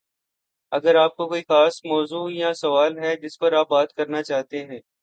اگر آپ کو کوئی خاص موضوع یا سوال ہے جس پر آپ بات کرنا چاہتے ہیں